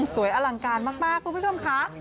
อลังการมากคุณผู้ชมค่ะ